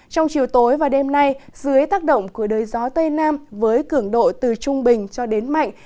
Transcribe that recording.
trong chiều tối và đêm nay dưới tác động của đới gió tây nam với cường độ từ trung bình cho đến mạnh